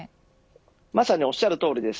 まさにおっしゃる通りです。